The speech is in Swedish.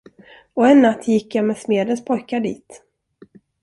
Och en natt gick jag med smedens pojkar dit.